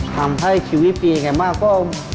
ทำให้ชีวิตเปลี่ยนแค่มากก็